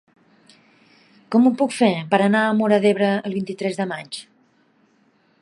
Com ho puc fer per anar a Móra d'Ebre el vint-i-tres de maig?